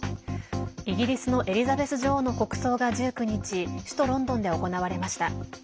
イギリスのエリザベス女王の国葬が１９日首都ロンドンで行われました。